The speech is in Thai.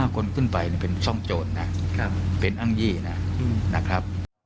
คนขึ้นไปเป็นซ่องโจรนะเป็นอ้างยี่นะครับ